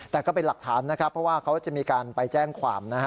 แต่ก็เป็นหลักฐานนะครับเพราะว่าเขาจะมีการไปแจ้งความนะฮะ